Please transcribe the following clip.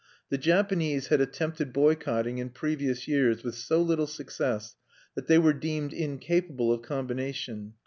The Japanese had attempted boycotting in previous years with so little success that they were deemed incapable of combination.